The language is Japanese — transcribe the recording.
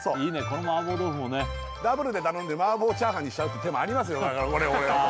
この麻婆豆腐もねダブルで頼んで麻婆チャーハンにしちゃうって手もありますよ